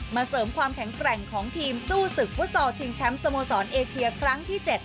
เสริมความแข็งแกร่งของทีมสู้ศึกฟุตซอลชิงแชมป์สโมสรเอเชียครั้งที่๗